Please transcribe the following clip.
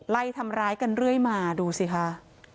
ไล่ทำร้ายกันเรื่อยมาดูสิค่ะ